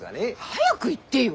早く言ってよ！